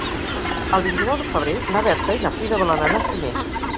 El vint-i-nou de febrer na Berta i na Frida volen anar a Sunyer.